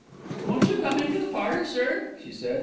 "Won't you come into the parlour, sir?" she said.